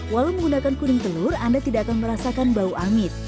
walau menggunakan kuning telur anda tidak akan merasakan bau amit